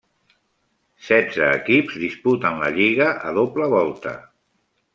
Setze equips disputen la lliga a doble volta.